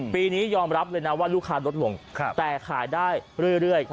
ปีนี้ยอมรับเลยนะว่าลูกค้าลดลงแต่ขายได้เรื่อย